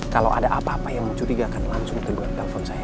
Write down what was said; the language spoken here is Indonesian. kalau ada apa apa yang muncul juga akan langsung terbuat telepon saya